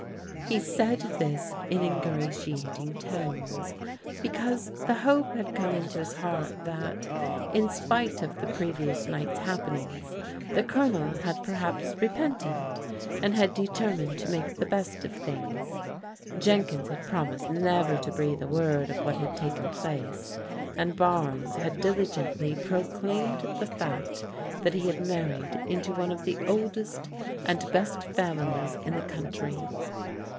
He said this in ingratiating tones, because the hope had come into his heart that, in spite of the previous night's happenings, the Colonel had perhaps repented, and had determined to make the best of things. Jenkins had promised never to breathe a word of what had taken place, and Barnes had diligently proclaimed the fact that he had married into one of the oldest and best families in the country.